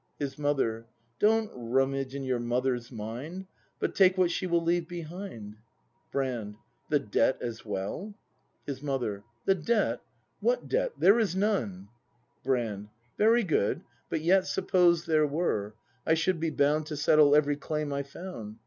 His Mother. Don't rummage in your Mother's mind, But take what she will leave behind. Brand. The debt as well } His Mother. The debt ? What debt ? There is none. Brand. Very good; but yet Suppose there were, — I should be bound To settle every claim I found.